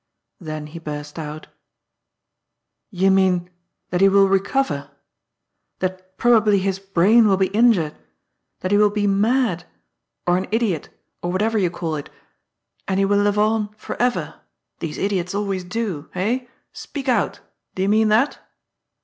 ' Then he burst out: ^'You mean that he will recover I 20 GOD'S FOOL. That probably bis brain will be injured — that he will be mad, or an idiot, or whatever you call it ! And he will live on for ever — these idiots always do 1 Hey ? speak out : do you mean that?"